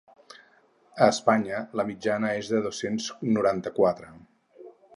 A Espanya la mitjana és de dos-cents noranta-quatre.